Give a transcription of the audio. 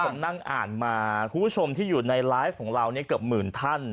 ผมนั่งอ่านมาคุณผู้ชมที่อยู่ในไลฟ์ของเราเนี่ยเกือบหมื่นท่าน